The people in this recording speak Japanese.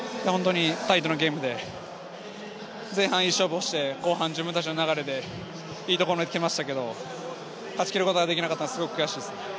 タイトなゲームで、前半いい勝負をして、後半自分たちの流れでいいところまできましたけれど、勝ち切ることができなかったのが悔しいです。